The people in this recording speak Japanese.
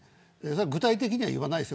具体的には言わないですよ。